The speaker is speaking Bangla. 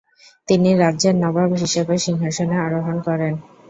তিনি রাজ্যের নবাব হিসেবে সিংহাসনে আরোহণ করেন।